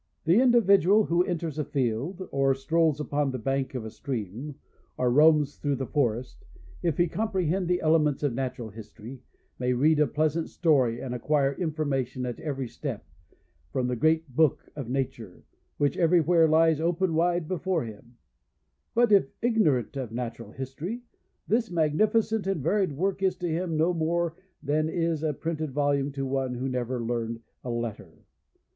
The individual who enters a field, or strolls upon the bank of a stream, or roams through the forest, if he comprehend the elements of Natural History, may read a pleasant story and acquire information, at every step, from the great Book of Nature, which every where lies open wide before him; but if ignorant of Natural History, this magnificent and varied work is to him no more than is a printed volume to one who never learned a letter.